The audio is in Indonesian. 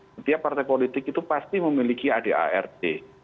setiap partai politik itu pasti memiliki adart